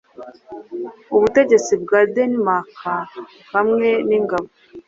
Ubutegetsi bwa Danemark hamwe ningabo